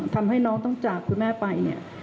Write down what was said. ทำให้น้องต้องจากคุณแม่ไปเนี่ย